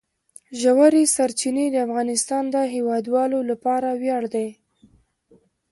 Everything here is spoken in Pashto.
ژورې سرچینې د افغانستان د هیوادوالو لپاره ویاړ دی.